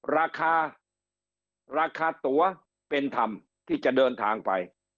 ราคาราคาตัวเป็นธรรมที่จะเดินทางไป